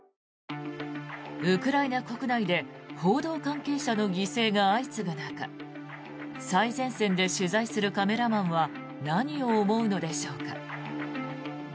ウクライナ国内で報道関係者の犠牲が相次ぐ中最前線で取材するカメラマンは何を思うのでしょうか。